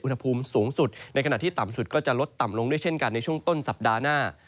อุณหภูมิสูงสุดในขณะที่ต่ำสุดก็จะลดต่ำลงด้วยเช่นกันในช่วงต้นสัปดาห์หน้า